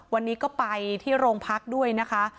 วันนี้ก็ไปที่โรงพักด้วยนะคะ